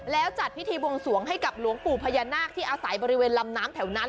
แล้วจัดพิธีบวงสวงให้กับหลวงปู่พญานาคที่อาศัยบริเวณลำน้ำแถวนั้น